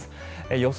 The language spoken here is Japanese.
予想